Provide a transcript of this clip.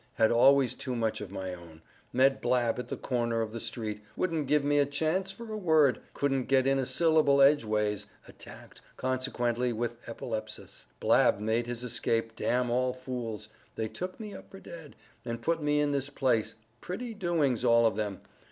—had always too much of my own—met Blab at the corner of the street—wouldn't give me a chance for a word—couldn't get in a syllable edgeways—attacked, consequently, with epilepsis—Blab made his escape—damn all fools!—they took me up for dead, and put me in this place—pretty doings all of them!